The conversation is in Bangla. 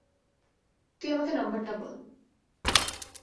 তুই আমাকে নাম্বারটা বল।